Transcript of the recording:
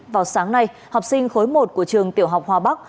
vào sáng nay học sinh khối một của trường tiểu học hòa bắc